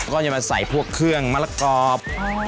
ก็จะมาใส่พวกเครื่องมะละกรอบ